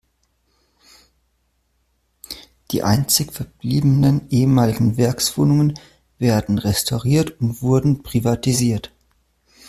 Die einzig verbliebenen ehemaligen Werkswohnungen werden restauriert und wurden privatisiert.